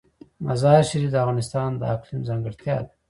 مزارشریف د افغانستان د اقلیم ځانګړتیا ده.